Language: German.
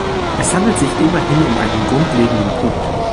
Es handelt sich immerhin um einen grundlegenden Punkt.